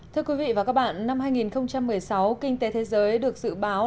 thưa quý vị và các bạn năm hai nghìn một mươi sáu kinh tế thế giới được dự báo